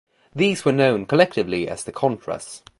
These were known collectively as the Contras.